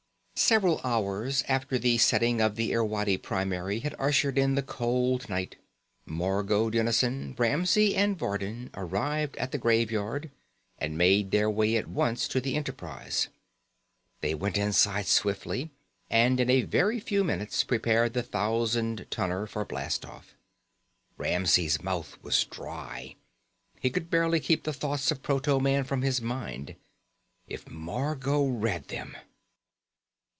Several hours after the setting of the Irwadi primary had ushered in the cold night, Margot Dennison, Ramsey and Vardin arrived at the Graveyard and made their way at once to the Enterprise. They went inside swiftly and in a very few minutes prepared the thousand tonner for blastoff. Ramsey's mouth was dry. He could barely keep the thoughts of proto man from his mind. If Margot read them....